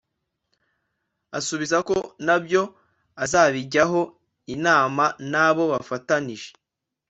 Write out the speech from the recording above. asubiza ko nabyo azabijyaho inama n’abo bafatanije